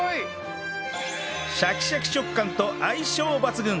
シャキシャキ食感と相性抜群！